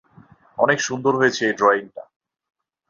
অনেক সুন্দর হয়েছে এই ড্রয়িংটা।